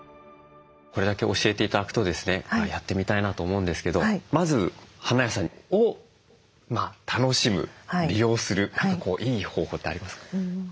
これだけ教えて頂くとですねやってみたいなと思うんですけどまず花屋さんを楽しむ利用する何かいい方法ってありますか？